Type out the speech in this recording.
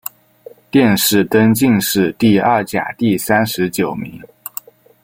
殿试登进士第二甲第三十九名。